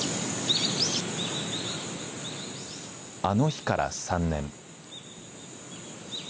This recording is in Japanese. あの日から３年。